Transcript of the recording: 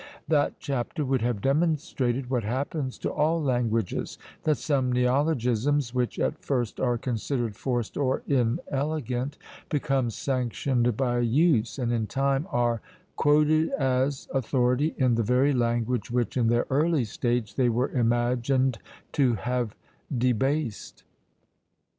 That chapter would have demonstrated what happens to all languages, that some neologisms, which at first are considered forced or inelegant, become sanctioned by use, and in time are quoted as authority in the very language which, in their early stage, they were imagined to have debased.